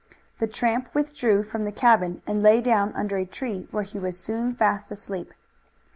The tramp withdrew from the cabin and lay down under a tree, where he was soon fast asleep.